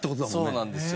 そうなんですよ。